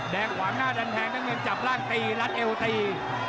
แดงขวางหน้าดันแทงด้านเมืองจับร่างตีลัดเอวตี